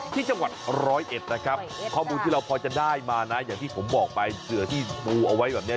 ที่จังหวัดร้อยเอ็ดนะครับข้อมูลที่เราพอจะได้มานะอย่างที่ผมบอกไปเสือที่ปูเอาไว้แบบนี้